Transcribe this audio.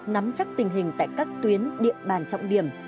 nắm chắc tình hình tại các tuyến địa bàn trọng điểm